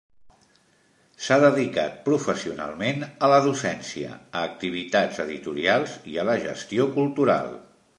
S'ha dedicat professionalment a la docència, a activitats editorials i a la gestió cultural.